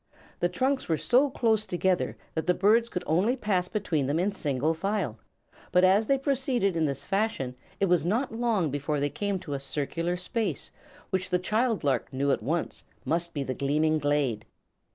The trunks were so close together that the birds could only pass between then in single file, but as they proceeded in this fashion it was not long before they came to a circular space which the child lark knew at once must be the Gleaming Glade.